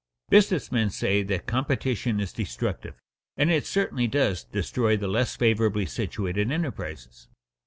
Business men say that competition is destructive, and it certainly does destroy the less favorably situated enterprises.